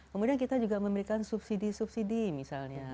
kemudian kita juga memberikan subsidi subsidi misalnya